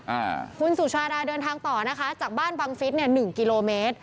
อ่าคุณสุชาดาเดินทางต่อนะคะจากบ้านบังฟิศเนี่ยหนึ่งกิโลเมตร